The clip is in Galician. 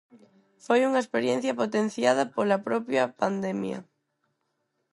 Foi unha experiencia potenciada pola propia pandemia.